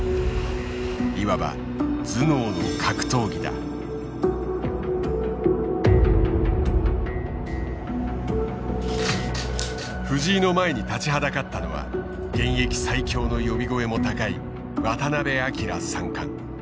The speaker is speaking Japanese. いわば藤井の前に立ちはだかったのは現役最強の呼び声も高い渡辺明三冠。